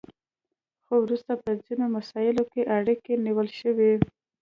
خو وروسته په ځینو مساییلو کې اړیکې نیول شوي